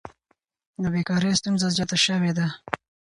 د بیکارۍ ستونزه زیاته شوې ده.